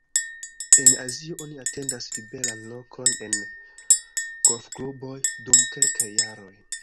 En Azio oni atendas liberan lokon en golfkluboj dum kelkaj jaroj.